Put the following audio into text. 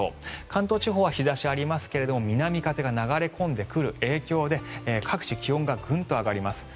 関東地方は日差しがありますが南風が流れ込んでくる影響で各地、気温がグンと上がります。